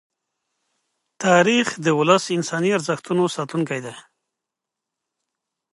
تاریخ د خپل ولس د انساني ارزښتونو ساتونکی دی.